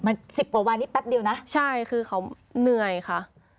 มัน๑๐กว่าวันนี้แป๊บเดียวนะใช่คือเขาเหนื่อยค่ะ